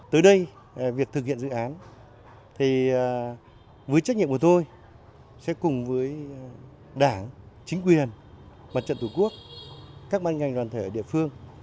tới đây việc thực hiện dự án thì với trách nhiệm của tôi sẽ cùng với đảng chính quyền mặt trận thủ quốc các ban ngành đoàn thể ở địa phương